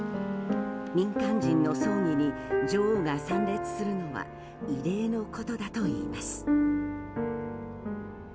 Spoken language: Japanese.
民間人の葬儀に女王が参列するのは異例のことだといいます。